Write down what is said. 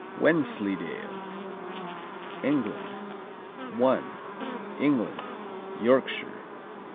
Wensleydale England I. England, Yorkshire.